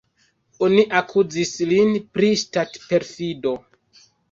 Oni akuzis lin pri ŝtatperfido.